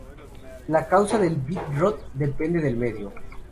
La causa del "bit rot" depende del medio.